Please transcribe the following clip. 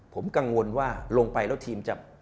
ผมกังวลว่าลงไปแล้วทีมจะ